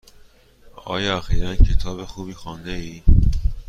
آیا اخیرا کتاب خوبی خوانده ای؟